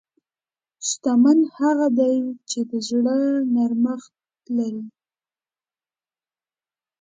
شتمن هغه دی چې د زړه نرمښت لري.